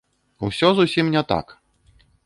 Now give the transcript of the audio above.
Усе зусім не так.